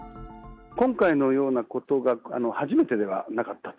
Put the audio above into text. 今回のようなことが初めてではなかったと。